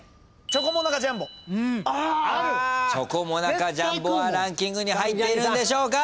チョコモナカジャンボはランキングに入っているんでしょうか？